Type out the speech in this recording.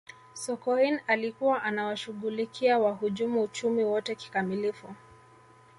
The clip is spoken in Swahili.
sokoine alikuwa anawashughulikia wahujumu uchumi wote kikamilifu